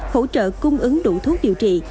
hỗ trợ cung ứng đủ thuốc điều trị